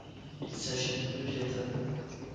Il s'agit d'une rue piétonne.